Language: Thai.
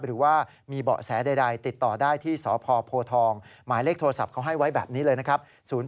หรือว่ามีเบาะแสใดติดต่อได้ที่สพโพทองหมายเลขโทรศัพท์เขาให้ไว้แบบนี้เลยนะครับ